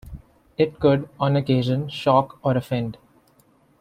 It could, on occasion, shock or offend.